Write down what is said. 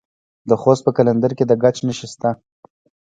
د خوست په قلندر کې د ګچ نښې شته.